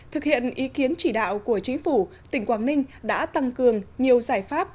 thực hiện ý kiến chỉ đạo của chính phủ tỉnh quảng ninh đã tăng cường nhiều giải pháp